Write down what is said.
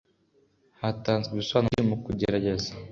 hatanzwe ibisobanuro byinshi mu kugerageza